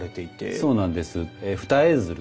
そうなんです。